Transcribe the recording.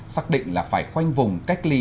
xác định là phải khoanh vùng cách ly